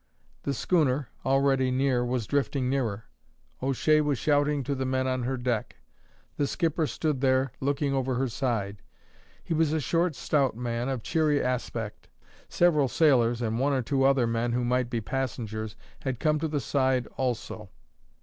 The schooner, already near, was drifting nearer. O'Shea was shouting to the men on her deck. The skipper stood there looking over her side; he was a short stout man, of cheery aspect. Several sailors, and one or two other men who might be passengers, had come to the side also.